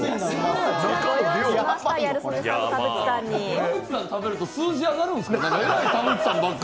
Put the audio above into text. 田渕さんが食べると数字上がるんですか？